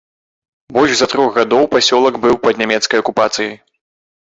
Больш за трох гадоў пасёлак быў пад нямецкай акупацыяй.